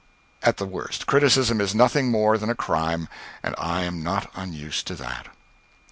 At the worst, criticism is nothing more than a crime, and I am not unused to that.